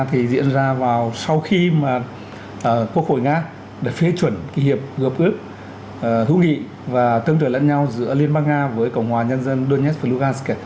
thì diễn ra sau khi quốc hội nga đã phê chuẩn hiệp gợp ước hữu nghị và tương trời lẫn nhau giữa liên bang nga với cộng hòa nhân dân donetsk và lugansk